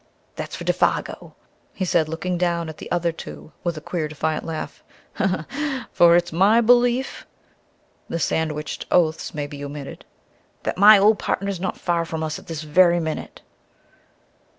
"That's for Défago," he said, looking down at the other two with a queer, defiant laugh, "for it's my belief" the sandwiched oaths may be omitted "that my ole partner's not far from us at this very minute."